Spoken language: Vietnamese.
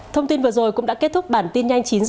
thông tin vừa rồi cũng đã kết thúc bản tin nhanh chín h